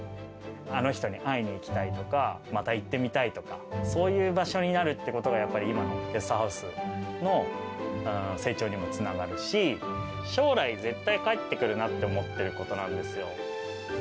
あの人に会いに行きたいとか、また行ってみたいとか、そういう場所になるっていうことが、やっぱり今のゲストハウスの成長にもつながるし、将来、絶対返ってくるなと思っていることなんですよ。